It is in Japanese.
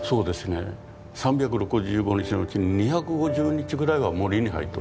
３６５日のうち２５０日ぐらいは森に入っておりました。